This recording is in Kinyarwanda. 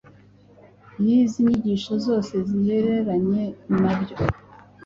Yize inyigisho zose zihereranye na byo